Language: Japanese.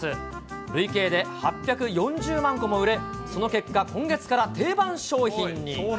累計で８４０万個も売れ、その結果、今月から定番商品に。